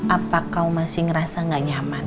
apa kau masih ngerasa gak nyaman